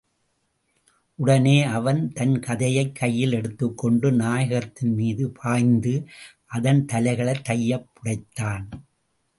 உடனே அவன் தன் கதையைக் கையில் எடுத்துக் கொண்டு நாகத்தின் மீது பாய்ந்து, அதன் தலைகளை தையப் புடைத்தான்.